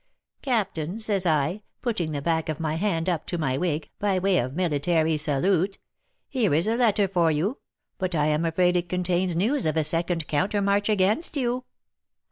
'Captain,' says I, putting the back of my hand up to my wig, by way of military salute, 'here is a letter for you, but I am afraid it contains news of a second countermarch against you.'